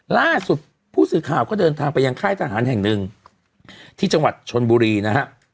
ล่าสุดผู้สื่อข่าวก็เดินทางไปยังค่ายทหารแห่งหนึ่งที่จังหวัดชนบุรีนะฮะ